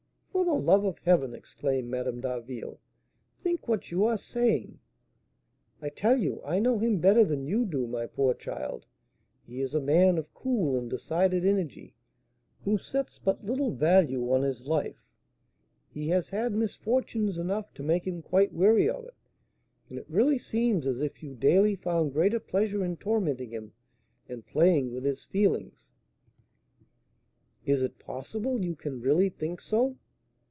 "For the love of heaven," exclaimed Madame d'Harville, "think what you are saying!" "I tell you I know him better than you do, my poor child; he is a man of cool and decided energy, who sets but little value on his life; he has had misfortunes enough to make him quite weary of it; and it really seems as if you daily found greater pleasure in tormenting him, and playing with his feelings." "Is it possible you can really think so?"